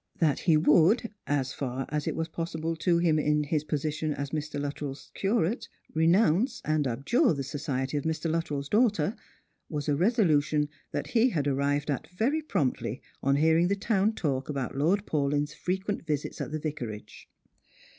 That he would, so far as it was possible to him in his position as Mr. Luttrell's curate, renounce and abjure the society of Mr. Luttrell's daughter, was a resolution that he had arrived at very promptly on hearing the town talk about Lord Paulyn's frequent visits at the Vicarage.